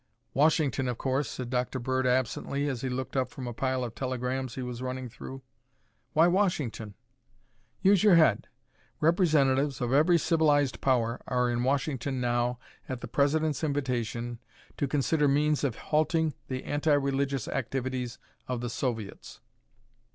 "Washington, of course," said Dr. Bird absently as he looked up from a pile of telegrams he was running through. "Why Washington?" "Use your head. Representatives of every civilized power are in Washington now at the President's invitation to consider means of halting the anti religious activities of the Soviets.